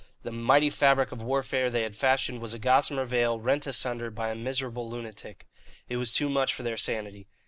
The mighty fabric of warfare they had fashioned was a gossamer veil rent asunder by a miserable lunatic. It was too much for their sanity.